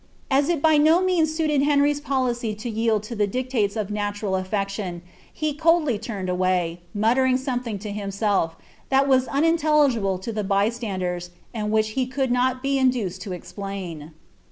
'* As it by no means suited Henry's policy to yield to the dictates of natural aflection, he coldly turned away, muttering some thing to himself, that was unintelligible to the by standers, and which he could not be induced to explain.